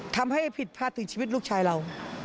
ทำให้ผิดพลาดถึงชีวิตลูกชายเรา